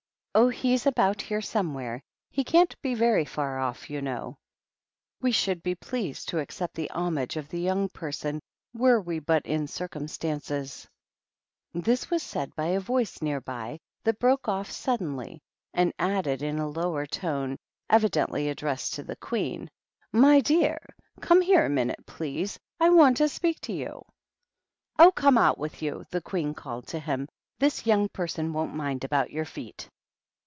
Oh, he's about here some where; he can't be very far off, you know." "We should be pleased to accept the homage THE RED QUEEN AND THE DUCHESS. 139 of the young person were we but in circum stances " This was said by a voice near by, that broke off suddenly, and added in a lower tone, evidently addressed to the Queen, "My dear, come here a minute^ please ; I want to speak to you/' " Oh, come out with you !" the Queen called to him ;" this young person won't mind about your feet."